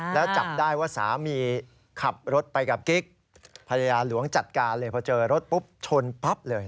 แล้วจับได้ว่าสามีขับรถไปกับกิ๊กภรรยาหลวงจัดการเลยพอเจอรถปุ๊บชนปั๊บเลย